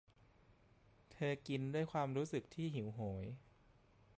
เธอกินด้วยความรู้สึกหิวโหย